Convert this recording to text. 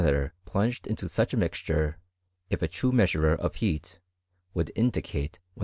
323 plunged into such a mixture, if a true measurer of lieat, would indicate 150".